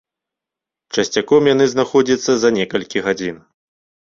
Часцяком яны знаходзяцца за некалькі гадзін.